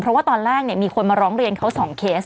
เพราะว่าตอนแรกมีคนมาร้องเรียนเขา๒เคส